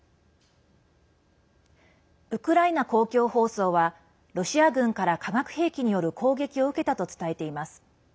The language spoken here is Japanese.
ウクライナ公共放送はロシア軍から化学兵器による攻撃を受けたと伝えています。